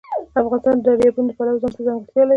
افغانستان د دریابونه د پلوه ځانته ځانګړتیا لري.